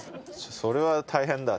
それは大変だ。